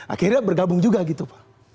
akhirnya bergabung juga gitu pak